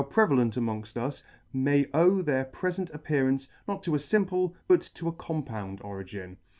prevalent [ 49 3 prevalent amongfl us, may owe their prefent appearance not to a Ample, but to a compound origin?